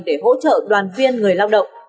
để hỗ trợ đoàn viên người lao động